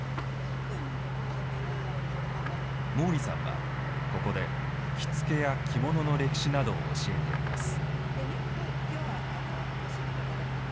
毛利さんは、ここで着付けや着物の歴史などを教えています。